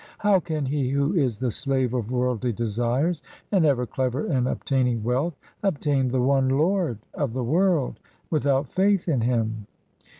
How can he who is the slave of worldly desires and ever clever in obtaining wealth, obtain the one Lord of the world without faith in Him